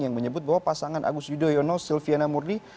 yang menyebut bahwa pasangan agus yudhoyono silviana murni